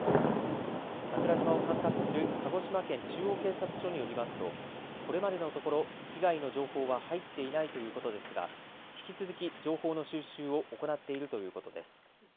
桜島を管轄する鹿児島県中央警察署によりますとこれまでのところ被害の情報は入っていないということですが引き続き情報の収集を行っているということです。